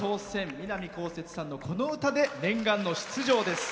南こうせつさんのこの歌で念願の出場です。